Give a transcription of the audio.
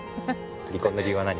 離婚の理由は何？